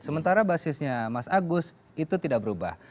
sementara basisnya mas agus itu tidak berubah